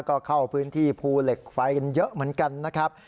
ก็เข้าพื้นที่ภูเหล็กไฟกันเยอะเหมือนกันนะครับ